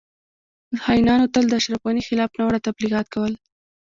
خاینانو تل د اشرف غنی خلاف ناوړه تبلیغات کول